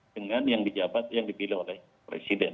dengan yang dipilih oleh presiden